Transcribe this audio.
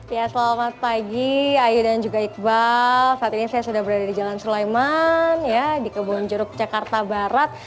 ya selamat pagi ayu dan juga iqbal saat ini saya sudah berada di jalan sulaiman ya di kebun jeruk jakarta barat